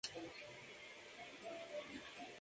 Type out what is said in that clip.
Este año se realizó la primera edición del ciclo de música.